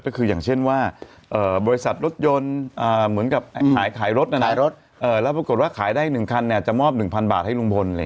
ก็คืออย่างเช่นว่าบริษัทรถยนต์เหมือนกับขายรถขายรถแล้วปรากฏว่าขายได้๑คันจะมอบ๑๐๐บาทให้ลุงพล